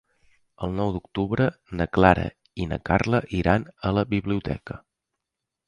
El nou d'octubre na Clara i na Carla iran a la biblioteca.